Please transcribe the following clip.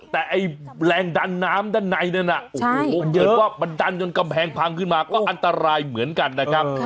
แต่ไอ้แรงดันน้ำด้านในนั้นโอ้โหเยินว่ามันดันจนกำแพงพังขึ้นมาก็อันตรายเหมือนกันนะครับ